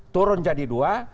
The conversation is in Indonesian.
turun jadi dua